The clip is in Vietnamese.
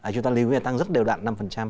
chúng ta lưu ý là tăng rất đều đặn năm